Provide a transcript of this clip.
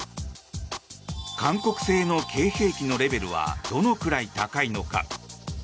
韓国製のＫ‐兵器のレベルはどのくらい高いのか。